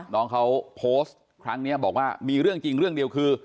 น้องเขาโพสต์ครั้งนี้บอกว่ามีเรื่องจริงเรื่องเดียวคือ